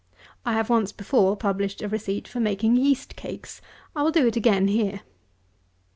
I have once before published a receipt for making yeast cakes, I will do it again here.